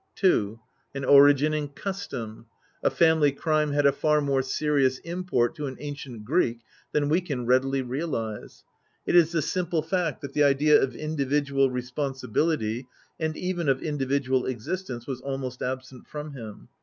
II. An origin in custom. K family crime had a far more serious import to an ancient Greek than we can readily realise.^ It is the simple fact, that the idea of individual responsibility, and even of individual existence, was almost absent from him.